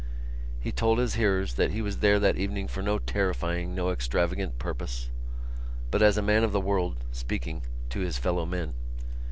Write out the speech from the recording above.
He told his hearers that he was there that evening for no terrifying, no extravagant purpose; but as a man of the world speaking to his fellow men.